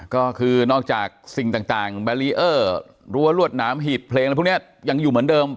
ก็คือนอกจากสิ่งต่างแบรีเออร์รั้วรวดหนามหีบเพลงอะไรพวกนี้ยังอยู่เหมือนเดิม